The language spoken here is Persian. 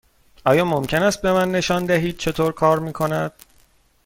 آیا ممکن است به من نشان دهید چطور کار می کند؟